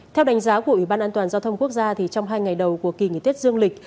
theo đánh giá của ủy ban an toàn giao thông quốc gia trong hai ngày đầu của kỳ nghỉ tết dương lịch